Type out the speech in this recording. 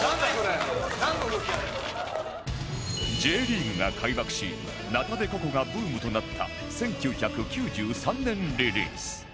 Ｊ リーグが開幕しナタデココがブームとなった１９９３年リリース